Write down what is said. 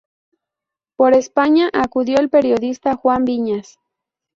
Por España, acudió el periodista Juan Viñas.